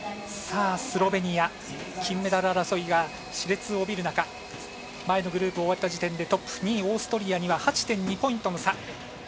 スロベニア、金メダル争いがしれつを帯びる中前のグループを終えた時点でトップ、２位、オーストリアには８．２ポイントの差。